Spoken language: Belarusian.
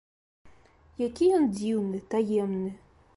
Які ён дзіўны, таемны!